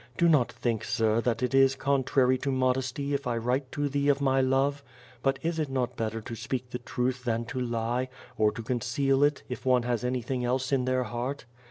Do not think. Sir, that it is contrary to modesty if I write to thee of my love; but is it not better to speak the truth than to lie, or to conceal it, if one has anything else in their heart?